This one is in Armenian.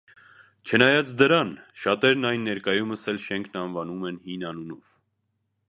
Չնայած դրան՝ շատերն այն ներկայումս էլ շենքն անվանում են հին անունով։